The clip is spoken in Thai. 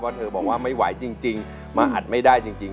เธอบอกว่าไม่ไหวจริงมาอัดไม่ได้จริง